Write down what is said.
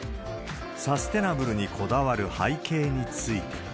サステナブルにこだわる背景について。